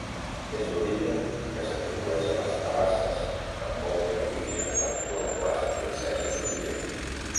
És l'origen que s'atribueix a les terrasses que envolten avui dia l'actual Plaça Princesa Sofia.